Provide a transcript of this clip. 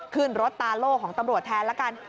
ขึ้นรถตาโล่ของตำรวจแทนละกัน